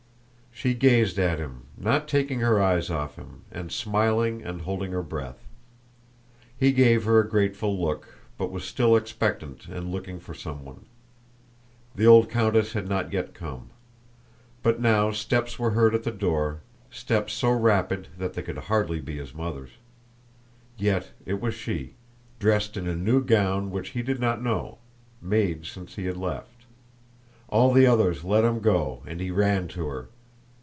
She gazed at him, not taking her eyes off him, and smiling and holding her breath. He gave her a grateful look, but was still expectant and looking for someone. The old countess had not yet come. But now steps were heard at the door, steps so rapid that they could hardly be his mother's. Yet it was she, dressed in a new gown which he did not know, made since he had left. All the others let him go, and he ran to her.